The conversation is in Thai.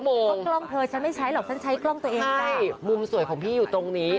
ไม่มุมสวยของพี่อยู่ตรงนี้